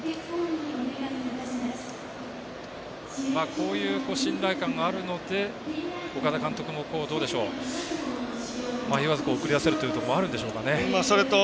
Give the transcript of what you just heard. こういう信頼感があるので岡田監督も迷わず送り出せるというところもあるんですかね。